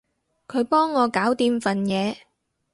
佢幫我搞掂份嘢